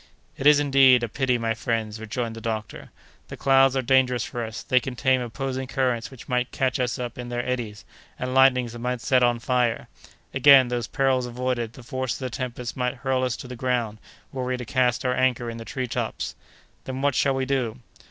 "It is, indeed, a pity, my friends," rejoined the doctor. "The clouds are dangerous for us; they contain opposing currents which might catch us in their eddies, and lightnings that might set on fire. Again, those perils avoided, the force of the tempest might hurl us to the ground, were we to cast our anchor in the tree tops." "Then what shall we do?"